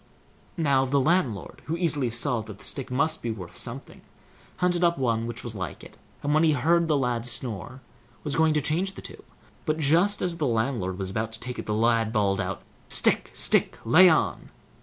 Now the landlord, who easily saw that the stick must be worth something, hunted up one which was like it, and when he heard the lad snore, was going to change the two; but, just as the landlord was about to take it, the lad bawled out: "Stick, stick! lay on!"